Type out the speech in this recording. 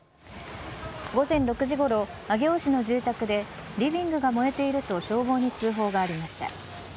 午前６時ごろ上尾市の住宅でリビングが燃えていると消防に通報がありました。